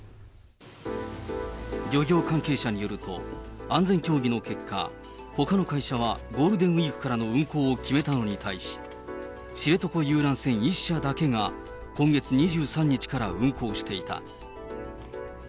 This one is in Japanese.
漁業関係者によると、安全協議の結果、ほかの会社はゴールデンウィークからの運航を決めたのに対し、知床遊覧船１社だけが今月２３日から運航していた。